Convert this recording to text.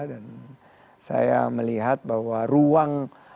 dan saya melihat bahwa ruang